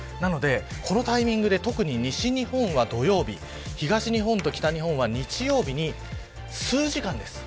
このタイミングで、特に西日本は土曜日東日本と北日本は日曜日に数時間です。